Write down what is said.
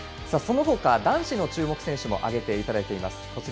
そのほか、男子の注目選手も挙げていただいています。